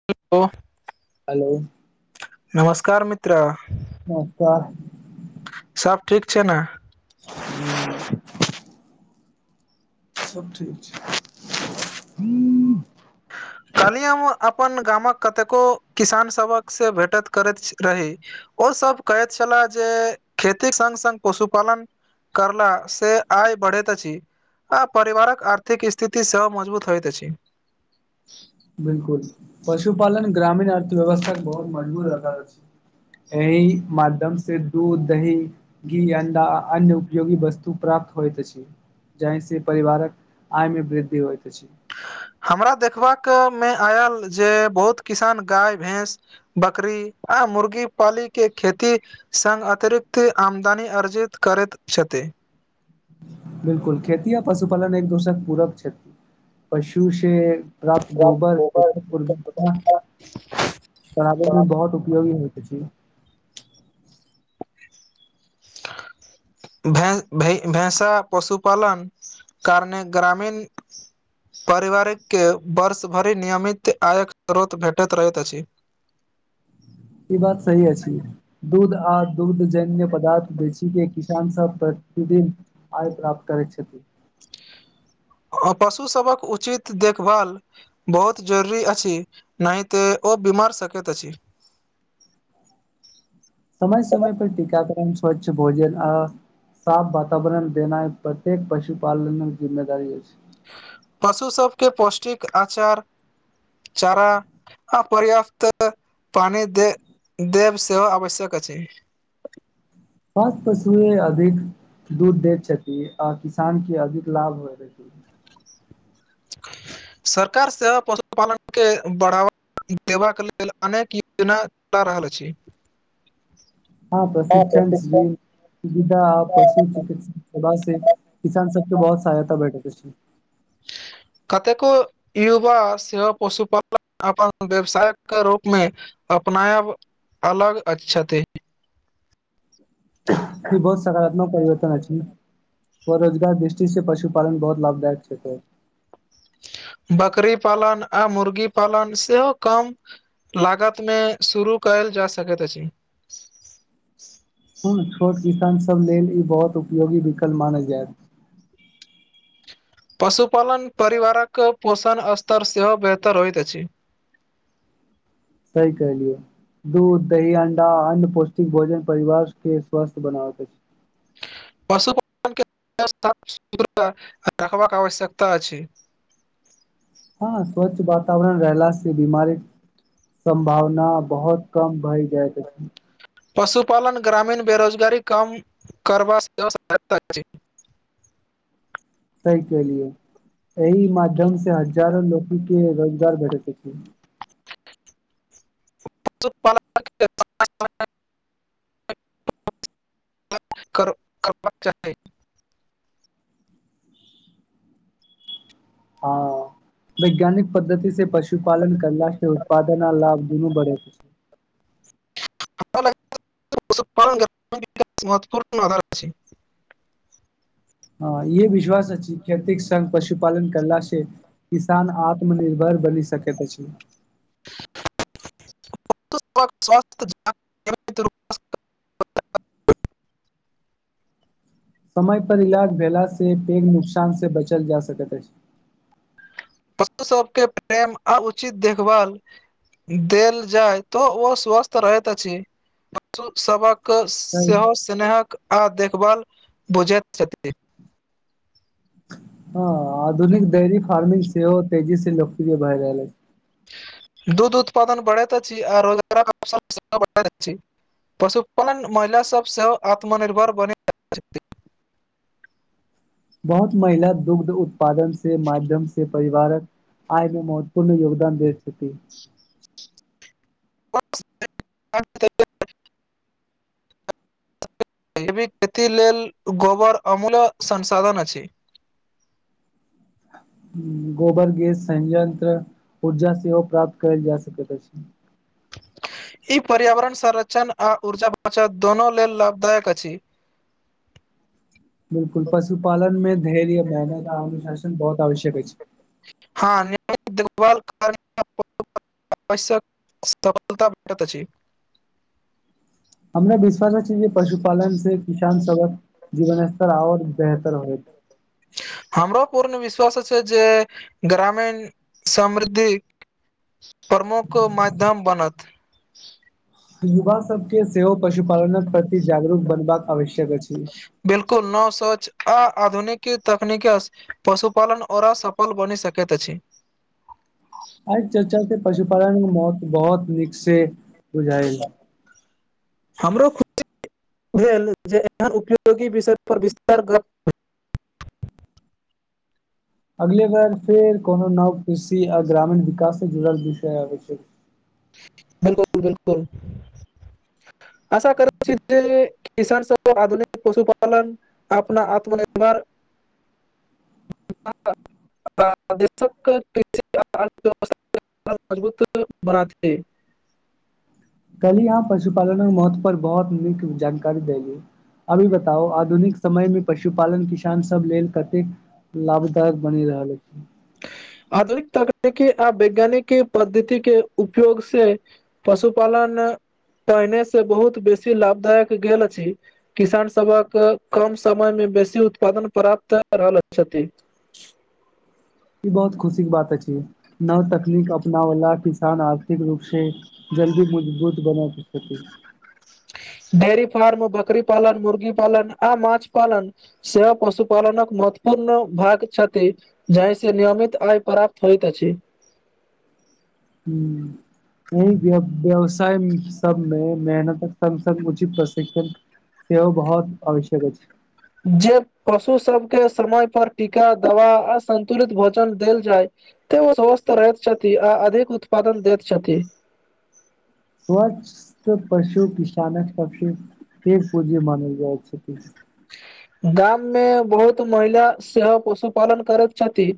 [unintelligible] Hello नमस्कार मित्र नमस्कार सब ठीक छै न [unintelligible] सब ठीक छै [unintelligible] [unintelligible] कल्हिय हम अपन गाम कऽ कतेको किसान सब हक से भेटत करैत रही। ओ सभ कहैत छला जे खेतीक संग संग पशुपालन करला से आय बढ़ैत अछी आ परिवारक आर्थिक स्थिति सेहो मजबूत होइत अछि। [unintelligible] बिल्कुल पशुपालन ग्रामीण अर्थव्यवस्था कऽ बहुत मजबूत आधार अछी एहि माध्यम से दूध दही घी अंडा अन्य उपयोगी वस्तु प्राप्त होइत अछी जाहि से परिवारक आय में वृद्धि होइत अछि। हमरा देखबाका में आयल जे बहुत किसान गाय भैंस। बकरी आ मुर्गी पाली केँ खेती संघ अतिरिक्त आमदनी अर्जित करैत छथि। बिल्कुल खेती आ पशुपालन एक दोसर पूरक छति [inaudible] पशु से प्राप्त गोबर [unintelligible] बढ़ाबे में बहुत उपयोगी होइत छै। [unintelligible] [unintelligible] भेंसा पशुपालन कारने ग्रामीण पारिवारिक केँ वर्ष भरि नियमित आय कऽ स्रोत भेटैत रहैत अछि। ई बात सही अछि दूध आ दूध जे पेय पदार्थ बेचिके किसानसभ प्रतिदिन आय प्राप्त करैत छथि। आ पशुसभक उचित देखभाल बहुत जरूरी अछि नहिते ओ बीमार सकैत अछि समय समय पर टीकाकरण स्वच्छ भोजन आ साफ वातावरण देनाय प्रत्येक पशुपालनक जिम्मेदारी अछि। पशु सभबके पौष्टिक आचार चारा अप पर्याप्त पानी दे देब सेहो आवश्यक अछि। पास पशुए अधिक दूध दय छथि आ किसान के अधिक लाभ होयत अछि सरकार सेहो पशुपालन के बढ़ावा देबा के लेल अनेक योजना चला रहल अछि हँ प्रशिक्षण शिविर सुविधा आ पशु चिकित्सा से किसान सबके बहुत सहायता भेटय अछि कतेको युवा सेहो पशुपालन अपन व्यवसायक रूप मे अपनायब अलग अ छथि ई बहुत सकारात्मक परिवर्तन अछि स्व रोजगार दृष्टी सँ पशुपालन बहुत लाभदायक छथिन बकरी पालन आ मुर्गी पालन सेहो कम लागत मे शुरू कयल जा सकैत अछि कोनो छोट किसान सभ लेल ई बहुत उपयोगी विकल्प मानल जाय‌त पशुपालन परिवारक पोषण स्तर सेहो बेहतर होइत अछि सही कहलियै दूध दही अंडा अन्य पौष्टिक भोजन परिवार के स्वस्थ्य बनाबैत अछि पशुपालन के सुरक्षित रखबाक आवश्यकता अछि हँ स्वच्छ वातावरण रहला से बीमारी सम्भावना बहुत कम भएल जाइत अछि पशुपालन ग्रामीण बेरोजगारी कम करबाक सेहो सहायता अछि सही कहलियै एहि माध्यम से हजारो लोकनि के रोजगार भेटैत अछि [unintelligible] करबाक चाही हँ वैज्ञानिक पद्धति से पशुपालन करला से उत्पादन आ लाभ दुनू बढैत अछि पशुपालन के महत्वपूर्ण आधार [unintelligible] हँ ईहे विश्वास अछि खेती संघ पशुपालन करला से किसान आत्मनिर्भर बनी सकैत अछि [unintelligible] समय पर इलाज भेला से पैघ नुकसान से बचल जा सकैत अछि पशु सबके प्रेम आ उचित देखभाल देल जाय तो ओ स्वस्थ रहैत अछि पशु सबहक क सेहो स्नेहक आ देखभाल बुझैत छथि हँ आधुनिक डेयरी फार्मिंग सेहो तेजी से लोकप्रिय भए रहलै दूध उत्पादन बढ़ैत अछि आ रोजगारक अबसर सेहो बढ़ैत अछि पशुपालन महिला सब सेहो आत्मनिर्भर बने बहुत महिला दुग्ध उत्पादन से माध्यम से परिवारक आय मे महत्वपूर्ण योगदान दैत छथिन। [unintelligible] जैबिक खेती लेल गोबर अमूल्य संसाधन अछि। गोबर गेस स यंत्र ऊर्जा सेहो प्राप्त कयल जा सकैत अछि। ई पर्यावरण संरक्षण आ ऊर्जा बचत दुनो लेल लाभदायक अछि। बिलकुल पशुपालन में धैर्य मेहनत आ अनुशासन बहुत आवश्यक अछि। [unintelligible] [unintelligible] हमरा विश्वास अछि जे पशुपालन से किसान सबक जीवन स्तर आओर बेहतर होयत। हमरो पूर्ण विश्वास छै जे ग्रामीण समृद्धिक प्रमुख माध्यम बनत। युवा सभके सेहो पशुपालनक प्रति जागरूक बनबाक आवश्यक अछि। बिलकुल नव सोच आ आधुनिक तकनीक पशुपालन ओरा सफल बनी सकत अछै आइ चर्चा के पशुपालन मे महत्व बहुत नीक से बुझाय हमरो खुशी भेल जे एहन उपयोगी विषय पर विस्तार अगल बार फेर कोनो नव कृषि आ ग्रामीण विकास से जुड़ल विषय आब छै बिलकुल बिलकुल आशा करै छी जे किसान सब के आधुनिक पशुपालन अपना आत्मनिर्भर [unintelligible] [unintelligible] कहली यहाँ पशुपालनक महत्व पर बहुत नीक जानकारी देली अभी बताउ आधुनिक समय मे पशुपालन किसान सब लेल कतेक लाभदायक बनि रहल अछि आधुनिक तकनीकी आ वैज्ञानिक पद्धति के उपयोग से पशुपालन पहिने से बहुत बेसी लाभदायक गेल अछि किसान सभक कम समय मे बेसी उत्पादन प्राप्त रहल अछि बहुत खुशी क बात अछि नव तकनीक अपना वला किसान आर्थिक रूप से जल्दी मजबूत बना क छथिति डेरी फार्म बकरी पालन मुर्गी पालन आ मछली पालन से पशुपालनक महत्वपूर्ण भाग छथि जाहि से नियमित आय प्राप्त होइत अछि हू व्यवसाय सबमे मेहनत स स उचित प्रशिक्षण सेहो बहुत आवश्यक अछि जे पशु सबके समय पर टीका दवा आ संन्तुलित भोजन देल जाय तऽ ओ स्वस्थ रहैत छथि आ अधिक उत्पादन दैत छथि स्वच्थ पशु किसानक सबसे तेज पूँजी मानल जाइ छथि गाम मे बहुत महिला सेहो पशुपालन करैत छथि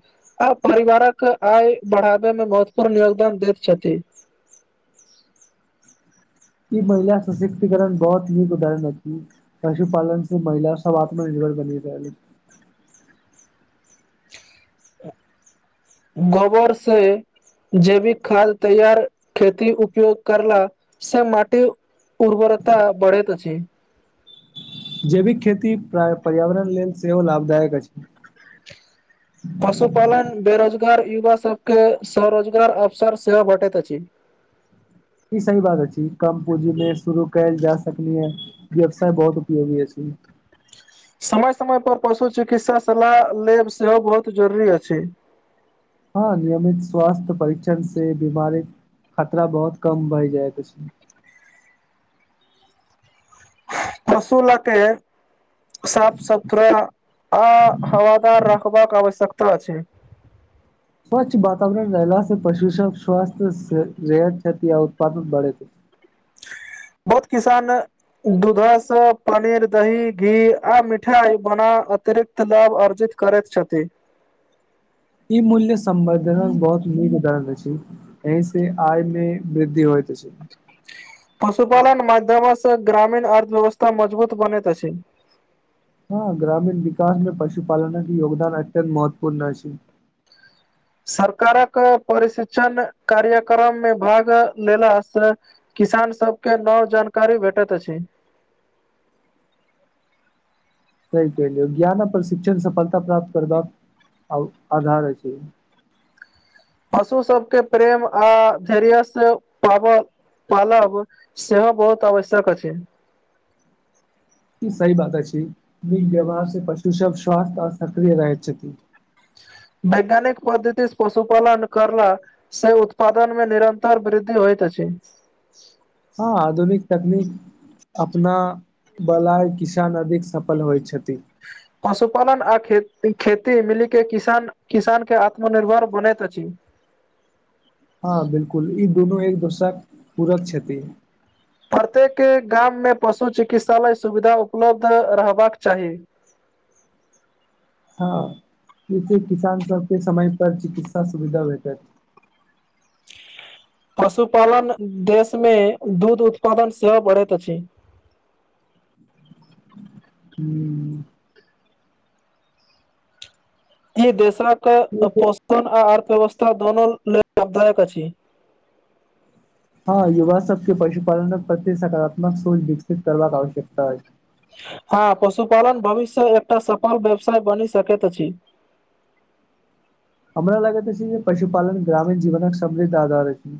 आ परिवारक आय बढ़ावे मे महत्वपूर्ण योगदान दैत छथिन ई महिला सशक्तिकरण बहुत नीक उदरण अछि पशुपालन से महिला सब आत्मनिर्भर बनी रहल गोबर से जेैविक खाद तैयार खेती उपयोग करला से माटि उर्वरता बढ़ैत अछि जैविक खेती पर्यावरण लेलऽ सेहो लाभदायक अछि पशुपालन बेरोजगार युवा सभ के स्वरोजगार अवसर सेहो भेटैत अछि। ई सही बात आ छै कम पूंजी मे शुरू कयल जा सकनी है व्यवसाय बहुत उपयोगी अछि। समय समय पर पशु चिकित्सा सलाह लेव सेहो बहुत जरुरी अछि। ह नियमित स्वास्थ्य परीक्षन से बीमारी खतरा बहुत कम बय जाय [unintelligible] रसूलके साफ सुथरा आ हवादार रखबाकऽ आवश्यकता छै स्वच्छ वातावरण रहला से पशु सभ स्वस्थ रेह क्षति या उत्पादन बढ़ेत बहुत किसान। दूध से पनीर दही घी मिठाई बना अतिरिक्त दऽ अर्जित करैत छथि इ मूल्य संवर्धन बहुत नीक उदरण अछि एहिसँ आय मे वृद्धि होइत छै। पशुपालन मध्यमासँ ग्रामीण अर्थव्यवस्था मजबूत बनेत अछि ह ग्रामीण विकास मे पशुपालन के योगदान अत्यंत महत्वपूर्ण अछि सरकार कऽ प्रशिक्षण कार्यक्रम मे भाग लेलासँ किसान सभके नव जानकारी भेटैत अछि तहि के लि ज्ञान प्रशिक्षण सफलता प्राप्त करबाक आधर अछि। पशु सभके प्रेम आ धैर्य से पाबल पालव सेहो बहुत आवश्यक अछि छै। ई सही बात अछि। नीक व्यवहार से पशु सभ स्वास्थ्य आऔर सक्रिय रहैत छथिन। वैज्ञानिक पद्धतिस पशुपालन कलऽ से उत्पादन मे निरन्तर वृद्धि होइत अछि। ह आधुनिक तकनीक अपना वाला किसान नदीक सफल होइ छथिन। पशुपालन आ खे खेती मिली के किसान। किसान के आत्मनिर्भर बनैत अछि। ह बिल्कूल ई दुनू एक दोसरा पूरक छथिति। प्रत्येक गाम मे पशु चिकित्सालय सुविधा उपलब्ध रहबाकऽ चाही। हँ जसे किसान सभके समय पर चिकित्सा सुविधा भेटत पशुपालन देश मे दूध उत्पादन सेहो बढ़ैत अछि। ह ई देशक ह पोषण आ अर्थव्यवस्था दोनो लेलऽ लाभदायक अछि। ह युवा सभके पशुपालन प्रत्ये सकारात्मक सोच विकसित करबाक आवश्यकता अछि। ह पशुपालन भविष्य एकटा सफल व्यवसाय बनी सकैत अछि। हमरा लगैत छै। जे पशुपालन ग्रामीण जीवन के समृद्ध आधार अछि।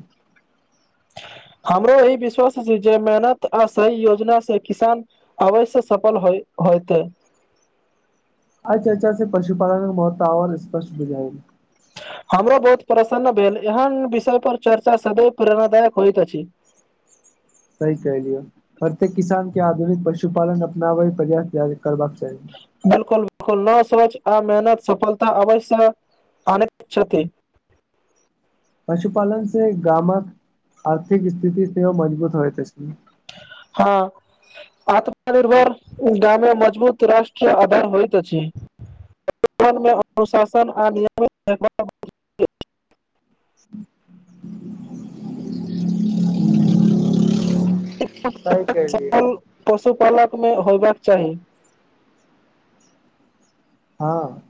हमरो ई विश्वास छै। जे मेहनत आ सही योजना से किसान अवश्ये सफल हो होइत अच्छा अच्छा से पशुपालन महत्व आर स्पष्ट बुझाए हमरो बहुत प्रसन्न भेल एहन विषय पर चर्चा सदैव प्रेरणादायक होई त अछि। सही कलियो प्रत्येकऽ किसान के आधुनिक पशुपालन अपनाबे प्रयास करबाक चाही। बिल्कूल बिल्कूल न सोच आ मेहनत सफलता अवशसँ आनैत छथि। पशुपालन से गामकऽ आर्थिक स्थिति सेहो मजबूत होयत छै। ह आत्मनिर्भर ग्राम मे मजबूत राष्ट्र आधार होत छै। सँ अनुशासन आ नियमित सही कहलियै पशुपालकमे होयबाक चाही। ह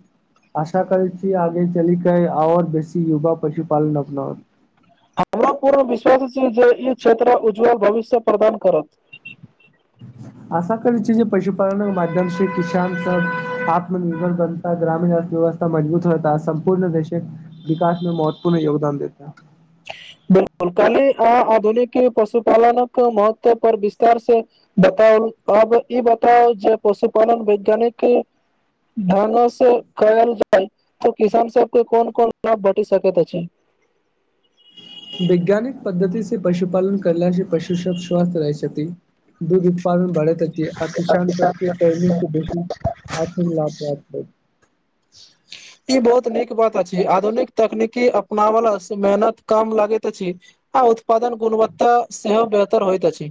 आशा करै छी। आगे चल करे आओर बेसी युगा पशुपालन अपनात हमरा पूर्ण विश्वास छैय जे ई क्षेत्र उज्ज्वल भविष्य प्रदान करत आशा करै छै। जे पशुपालनक मध्यम से किसान स आत्मनिर्भर बन ग्रामीण अर्थव्यवस्था मजबूत रहता सम्पूर्ण देश कऽ विकास मे महत्वपूर्ण योगदान देता बिल्कूल काली आ आधुनिकी पशुपालनक महत्व पर विस्तार से बताउ अब ई बताउ जे पशुपालन वैज्ञानिक धान से कल जाइ त किसान सभके कोन कोन लाभ घट सक छै। वैज्ञानिक पद्धति से पशुपालन करल से पशु सभ स्वस्थ रहै छथि। दूध उत्पादन भढ़ैत छै। आ किसान चके पसु आथिन लाते ई बहुत नीक बात अछि। आधुनिक तकनीकि अपनावला से मेहनत कम लगैत अछि। आ उत्पादन गुणवत्ता सेहो बेहतर होइत अछि।